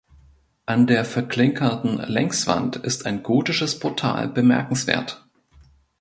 An der verklinkerten Längswand ist ein gotisches Portal bemerkenswert.